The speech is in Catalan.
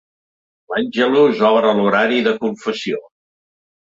L'Àngelus obre l'horari de confessió.